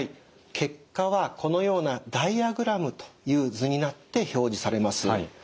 結果はこのようなダイヤグラムという図になって表示されます。